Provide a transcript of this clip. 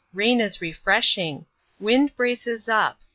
Rain is refreshing. Wind braces up.